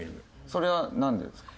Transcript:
それはなんでですか？